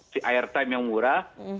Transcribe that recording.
si airtime yang murah